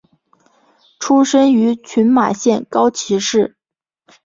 出身于群马县高崎市。